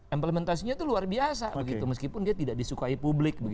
implementasinya itu luar biasa begitu meskipun dia tidak disukai publik